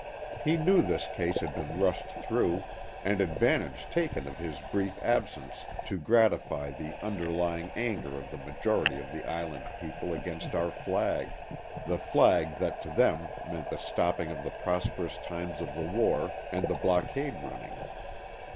He knew this case had been rushed through and advantage taken of his brief absence to gratify the underlying anger of the majority of the Island people against our flag ; the flag that to them meant the stopping of the prosperous times of the war and the blockade running.